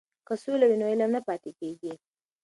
که سوله وي نو علم نه پاتې کیږي.